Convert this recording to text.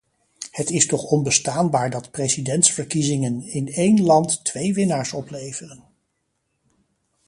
Het is toch onbestaanbaar dat presidentsverkiezingen in één land twee winnaars opleveren.